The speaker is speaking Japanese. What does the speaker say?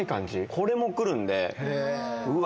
これも来るんでうわ